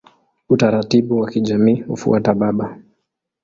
Utaratibu wa kijamii hufuata baba.